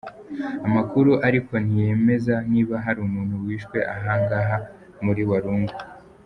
Amakuru ariko ntiyemeza niba hari umuntu wishwe ahangaha muri Walungu.